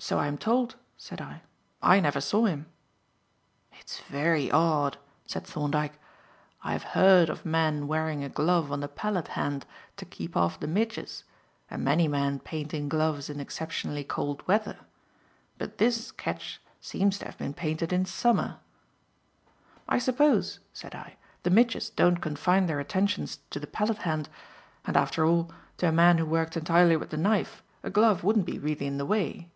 "So I am told," said I. "I never saw him." "It's very odd," said Thorndyke. "I have heard of men wearing a glove on the palette hand to keep off the midges, and many men paint in gloves in exceptionally cold weather. But this sketch seems to have been painted in the summer." "I suppose," said I, "the midges don't confine their attentions to the palette hand. And after all, to a man who worked entirely with the knife, a glove wouldn't be really in the way."